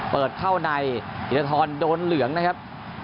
เปิดเข้าในธิรทรโดนเหลืองนะครับ